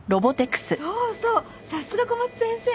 そうそうさすが小松先生。